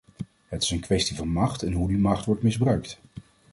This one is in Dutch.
Het is een kwestie van macht en hoe die macht wordt misbruikt.